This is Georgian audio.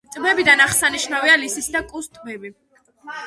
ტბებიდან აღსანიშნავია ლისისა და კუს ტბები.